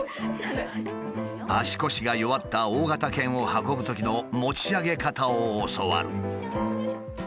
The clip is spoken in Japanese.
足腰が弱った大型犬を運ぶときの持ち上げ方を教わる。